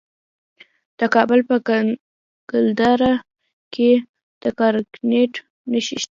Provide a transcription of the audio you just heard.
د کابل په ګلدره کې د ګرانیټ نښې شته.